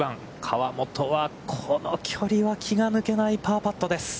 河本は、この距離は気が抜けないパーパットです。